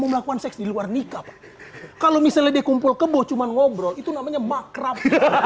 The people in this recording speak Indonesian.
mau melakukan seks di luar nikah kalau misalnya di kumpul kebo cuman ngobrol itu namanya makrab